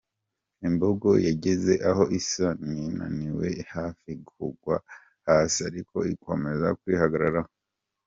Imbogo yageze aho isa n’inaniwe hafi kugwa hasi, ariko ikomeza kwihagararaho.